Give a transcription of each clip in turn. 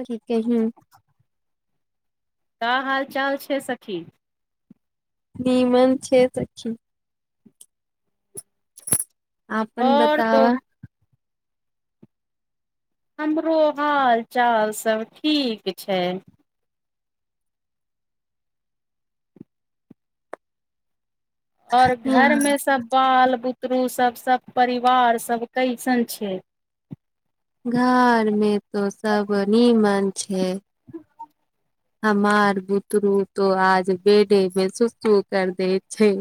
ठीक ह तऽ हाल चाल छै सखी नीमन छै चची आन और तो बताव। हमरो हाल चाल सभ ठीक छै। और घर यहाँ मे सभ बाल बुतरु सभ सभ परिवार सभ कैसन छै। घर मे तो सभ नीमन छै। [inaudible] हमार बुतरू तो आज बेडे मे सुसू कर दे छै।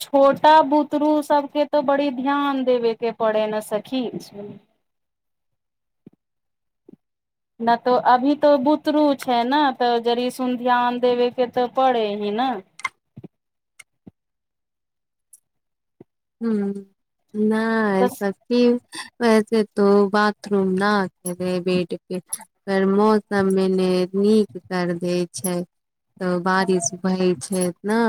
छोटा बुतरु सभके तऽ बड़ी ध्यान देबेके पड़े ने सखी। नहि तो अभी तो बुतरू छै ने तऽ जड़सन ध्यान देबे के तऽ पड़े ही न हैं नहिस। तऽ वैसे तो बाथरूम ने आ रहै बड पे। मौसम मे ने नीक कर देय छै। तऽ बारिश भए छै ने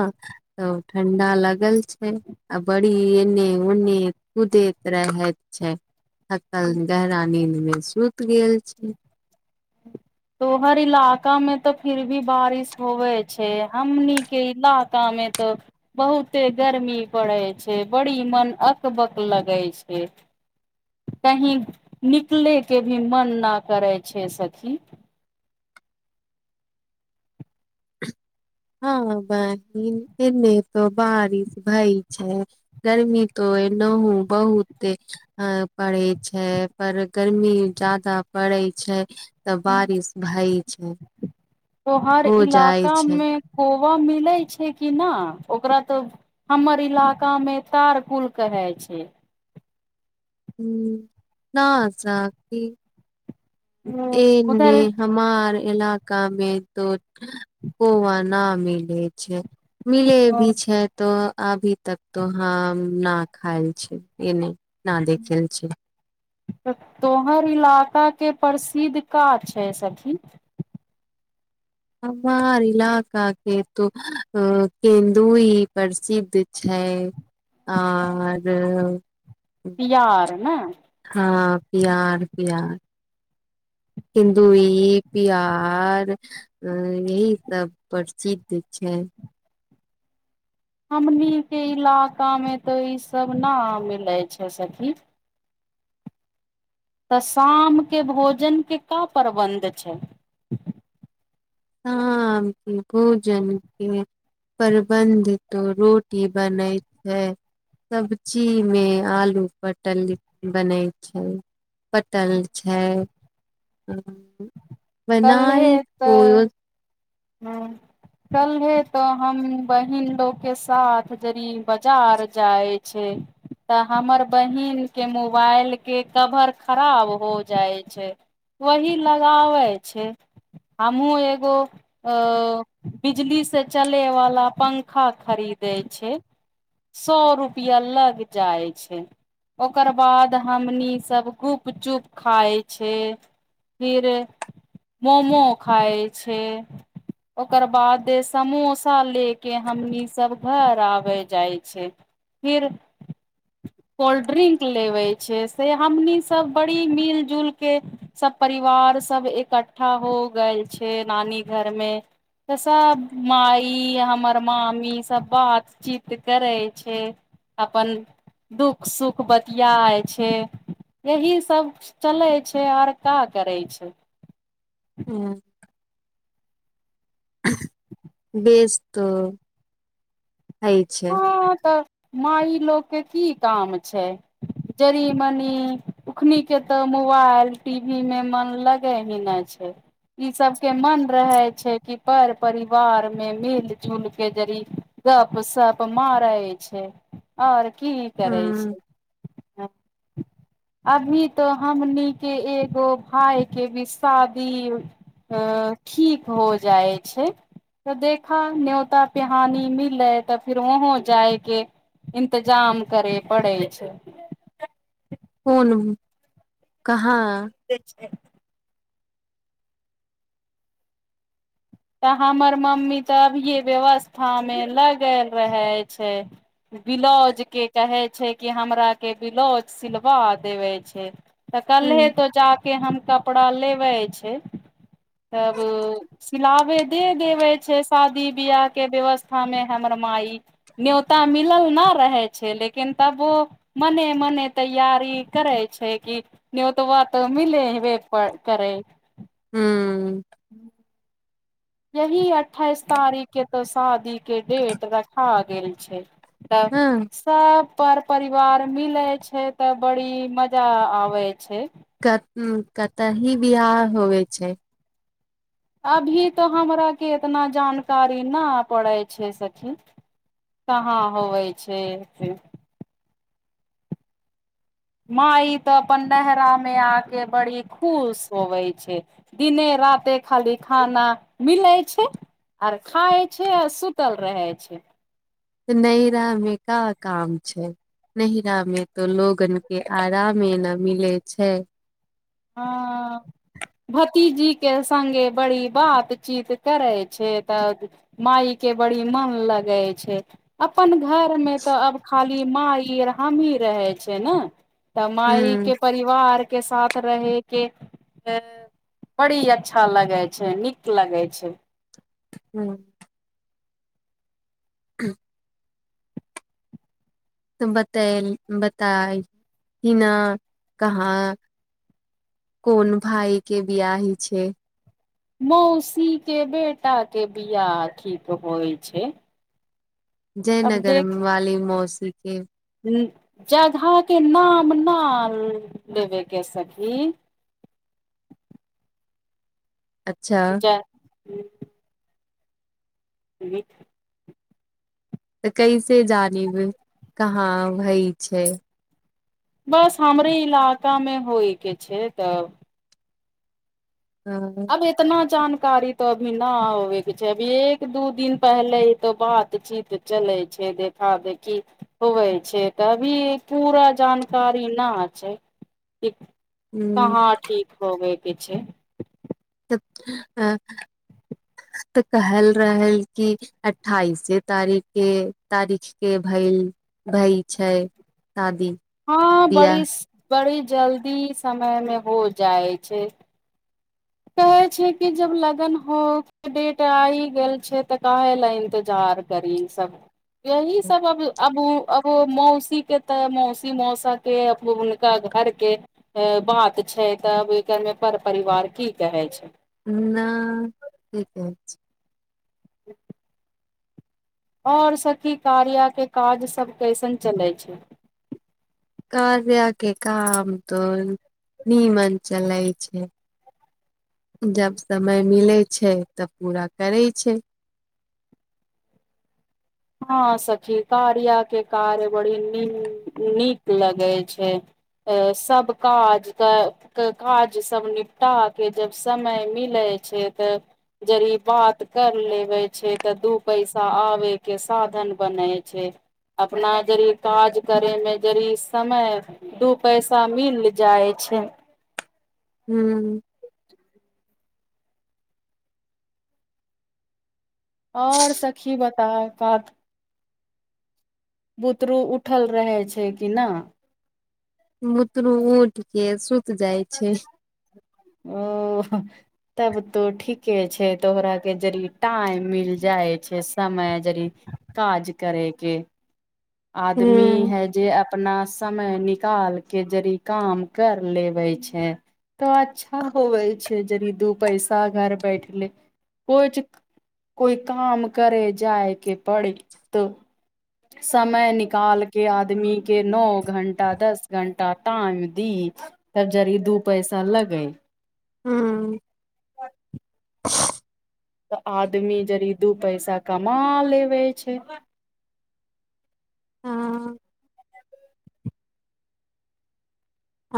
तऽ ठंडा लगल छै। आ बड़ी एने ओने कुदैत रहे छैल। रानीद मे सुति गेल छै ह तोहर इलाका मे तऽ फिर भी बारिश होवे छै हमने इलाका मे त बहुते गर्मी पड़ै छै बड़ी मन अकबकऽ लगे छै। कही निकलेके भी मान नहि करै छै सखी। हँ बहि एमे तऽ बारिश भाई छै गरमी त। नहु बहुत। पड़ैत छै पर गर्मी जादा पड़ैत छै। तऽ बारिश भए छै। तो हर हो जाइ इलाका छै मे ह कौआ मिलै छै कि ना ओकरा तऽ। हमर इलाका मे तारकून कहे छै। न छै साकी ए ने। उधर हमार इलाकामे तऽ कौआ ना मिले छै। मिले भी छै तो अभी तक तो हैं नै खायएल छै ए नहि। नै देख छै। तोहर इलाका के प्रसिद्ध कऽ छै सखी। हमार इलाका के तऽ आ केन्दु प्रसिद्ध। छै ओर। पियार ने ह पियार पियार। हिन्दू ई पियार। अ यही सभ प्रसिद्ध छै। हमनी के इलाकामे तऽ ईसभ ना मिलै छै सखी। तऽ शाम के भोजन के कऽ प्रबन्ध छै। शाम छै भोजन छै। प्रबन्ध तो रोटी बनै छै सब्जी मे आलू पटल लिटी बनय छै। पटन छै बनाई को। हँ। कल्हे तो हम बहिन लोगके साथ जद बाजार जाय छै। तऽ हमर बहिन के मोबाइल के कवर खराब हो जाइ छै। वही लगाबै छै हमहूँ एगो। अ बिजली से चले वाला पंखा खरीदे छै। सो रुपआ लग जाइ छै। ओकर बाद हमनी सब गुपचुप खाइ छै। फिर मोमो खाय छै। ओकर बाद समोसा ले के हमनी सब घर आबे जाय छै। फिर कोल्ड ड्रिंकपिलबै छै से हमनीसभ बड़ी मिल जुलके। सब परिवार सब एकठ्ठा हो गेल छै नानी घर मे। त सब माइ हमर मामी सब बात। चित करै छै अपन। दुःख सुख बतिियाइ छै। यहिसब चले छै आर कि करे छै। हू। [inaudible] बेस तऽ होय छै। ह तऽ माइ लोक के की काम छै जरी मनी। उखन के तऽ मोबाइल टीवी मे मन लगे ही नहि छै। ई सब के मन रहे छै कि पर परिवार मे मिल जुल के जरी गप सप मारै छै आओर की करै हूं छै। हँ। [inaudible] अभी तो हमनि के एगो भाय के भी शादी। अ ठीक हो जाइ छै। तऽ देखा न्योता पिहानी मिल है तब। फिर वहं जाय के इंतजाम करे पड़े छै। कोन कहाँ। देख। तऽ हमर मम्मी तऽ अभी भीव्यवस्था मे लगेल रहे छै। बलाउज के कहे छै कि हमरा के ब्लाउज सिलवा देवे छै। तऽ कल्हे हूं तो जााके हम कपड़ा लेबे छै तब। खिलाबे दे देवे छै शादी बियाह के व्यवस्था मे हमर माई। ने्योता मिलल नहि रहै छै लेकिन तब ओ। मने मने तैयार करै छै किी। न ओ तऽ वात रेलवे पर। चढै छि हू। ह। यही अठाइस तारीख के तऽ शादीक के डेट रखा गेल छै। तब। सब पर परिवार मिले छै तऽ बड़ी मजा आबे छै। क कतऽ ही बिवाह होवे छै। अभी तो हमरा के इतना जानकारी न पड़े छै सखि कहाँ होवै छै से। माई तऽ अपन नहरा मे आके बड़ी खुश होवय छै। दिने राते खाली खाना मिलै छै। आर खाए छै आ सुतल रहय छै। नहिरामे कोन काम छै। नहिरा में तो लोगन के आरामे न मिले छै। ह। भतीजी के संगे बड़ी बातचीत करै छै तब माइ के बड़ी मन लगे छै। अपन घरमे तऽ आब खाली माइ आर हमही रहै छै ने। तऽ माइ हूं के परिवार के साथ। रहे के बड़ी अच्छा लगेय छै नीक लगेय छै। हू। ह। तऽ बतेल बताइ ह न कहाँ। कोन भाइ के बिआह हय छै। मौसी के बेटा के बिआ ठिक होइ छै। अब जयनगर देख वाली मौसीकी। जगह के नाम ना लेबे के सखी अच्छा। ज ज। तऽ कैसे जानीब कहाँ भई छै। बस हमरे इलाका मे होइ के छै तब। हँ। अब इतना जानकारी तो अभी न होबे के छै अभी एक दू दिन पहले ई तो बातचीत। चलै छै देखा देखी। होवै छै तऽ अभी पूरा जानकारी ना छै कि। हूँ कहां ठीक होबय के छै त अ तऽ कहल रहल क। अठाइसे तारीख के तारीख के भय भय छै। शादी। हँ बड़ी बियाह बड़ी जल्दी समय मे हो जाइ छै। कहे छै कि जब लगन हो के डेट आ गेल छै तऽ काहे ले इंतजार। करी ई सब यही सब अब अब ओ। अब मौसी के तऽ मौसी मौसा के हुनका घरके। बात छै तब एकर मे पर परिवार की कहै छै। नहि की कहै छै। ह। आओर सखी कार्या के काज सब कैसन चले छै। कार्या के काम तो नीमन चलैय छै। जब समय मिलैत छै तब पूरा करै छै। हँं सखी कारिया के कार्य बड़ी न नीक लगे छै। अ सब काज क। के काज सब निपटा के जब समय मिलै छै तऽ। जड़ि बात कर लेबे छै तऽ दू पैसा आबेै के साधन बनै छै अपना जड़ि काज करेै मे जड़ि समय दू पैसा मिल जाय छै। हम और सखी बता का बुतरू उठल रहे छै कि नहि बुतरू ऊठ के सुत जाई छै ओ। तब तो ठीके छै त ओकरा आर के जड़ि टाएम मिल जाय छै समय जड़ि काज करेके आदमी हूँ है जे अपना समय निकाल के जड़ि काम कर लेबे छै तऽ अच्छा होवै छै जड़ि दू पैसा घर बैठले कोए छै कोय काम करे जायके पड़ी तऽ समय निकाल के आदमी के नै घंटा दस घंटा टाइम दी तब जड़ि दू पैसा लगे हम [inaudible] तऽ आदमी जड़ि दू पैसा कमा लेबे छै ह।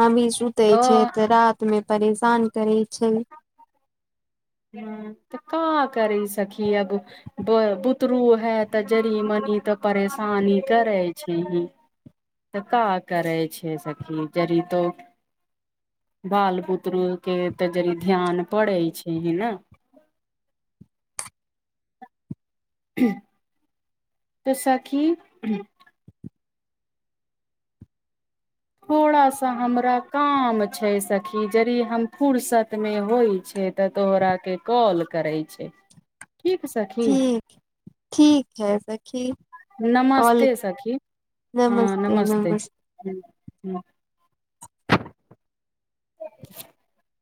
आमि सुते ओ छै तऽ रात मे परेशान करे छै हम तऽ का करी सखी अब ब बुतरू है तऽ जड़ि मनी तऽ परेशानी करै छै ही तऽ का करै छै सखी जड़ि तो बाल बुतरू के तऽ जड़ि ध्यान पड़ै छै हे न [inaudible] तऽ सखी। थोड़ा सा हमरा काम छै सखी जड़ि हम फुर्सत मे होई छै त तोहरा के कॉल करै छै ठीक सखी ठीक ठीक है सखी कॉल। नमस्ते सखी नमस्ते नम हम हम [inaudible]